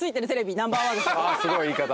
すごい言い方。